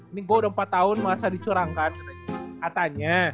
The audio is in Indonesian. ini gue udah empat tahun masa dicurangkan katanya